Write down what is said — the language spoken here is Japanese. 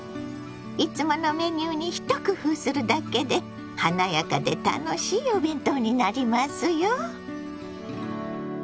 いつものメニューに一工夫するだけで華やかで楽しいお弁当になりますよ。